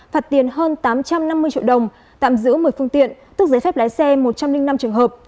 phạt tiền hơn tám trăm năm mươi triệu đồng tạm giữ một mươi phương tiện tức giấy phép lái xe một trăm linh năm trường hợp